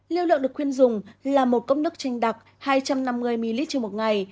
liêu lượng được khuyên dùng là một cốc nước trinh đặc hai trăm năm mươi ml trên một ngày